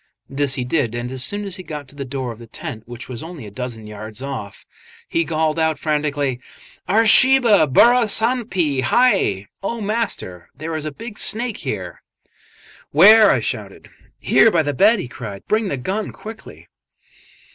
This he did, and as soon as he got to the door of the tent, which was only a dozen yards off, he called out frantically, "Are, Sahib, burra sanp hai!" ("Oh, Master, there is a big snake here!) "Where?" I shouted. "Here by the bed," he cried, "Bring the gun, quickly."